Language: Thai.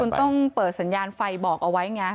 คุณต้องเปิดสัญญาณไฟบอกเอาไว้ไง